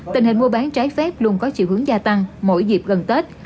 tình hình mua bán trái phép luôn có chiều hướng gia tăng mỗi dịp gần tết